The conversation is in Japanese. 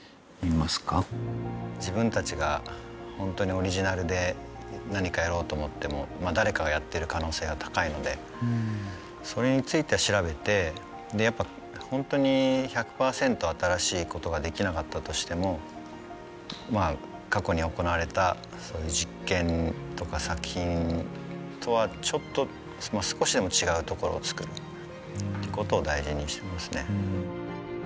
自分たちが本当にオリジナルで何かやろうと思っても誰かがやってる可能性が高いのでそれについて調べてでやっぱ本当に１００％新しいことができなかったとしても過去に行われた実験とか作品とはちょっと少しでも違う所を作るってことを大事にしてますね。